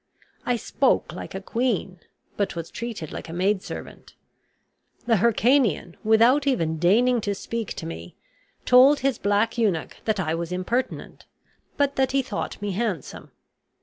I spoke like a queen, but was treated like a maidservant. The Hircanian, without even deigning to speak to me, told his black eunuch that I was impertinent, but that he thought me handsome.